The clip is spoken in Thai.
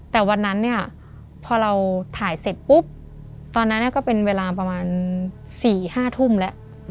แต่วันนั้นเนี่ยพอเราถ่ายเสร็จปุ๊บตอนนั้นก็เป็นเวลาประมาณ๔๕ทุ่มแล้ว